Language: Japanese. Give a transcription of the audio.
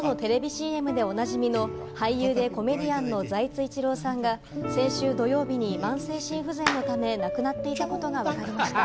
ＣＭでおなじみの俳優でコメディアンの財津一郎さんが先週土曜日に慢性心不全のため亡くなっていたことがわかりました。